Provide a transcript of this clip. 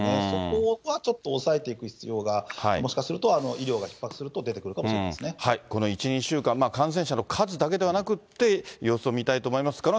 そこはちょっと抑えていく必要は、もしかすると、医療がひっ迫するこの１、２週間、感染者の数だけではなくって様子を見たいと思います。